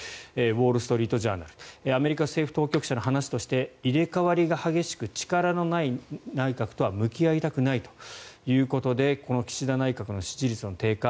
ウォール・ストリート・ジャーナルアメリカ政府当局者の話として入れ替わりが激しく力のない内閣とは向き合いたくないとしてこの岸田内閣の支持率の低下